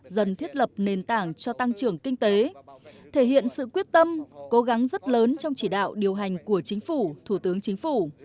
dần thiết lập nền tảng cho tăng trưởng kinh tế thể hiện sự quyết tâm cố gắng rất lớn trong chỉ đạo điều hành của chính phủ thủ tướng chính phủ